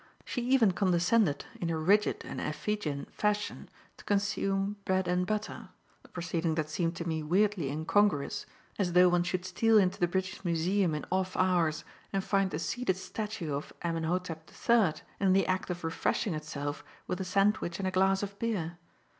She even condescended, in a rigid and effigean fashion, to consume bread and butter; a proceeding that seemed to me weirdly incongruous, as though one should steal into the British Museum in off hours and find the seated statue of Amenhotep the Third in the act of refreshing itself with a sandwich and a glass of beer.